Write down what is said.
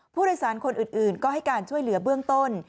ผู้โดยสารคนอื่นก็ให้การช่วยเหลือเบื้องต้น